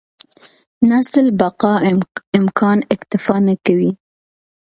نسل بقا امکان اکتفا نه کوي.